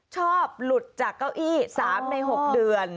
ชอบหลุดจากเก้าอี้๓ใน๖เดือน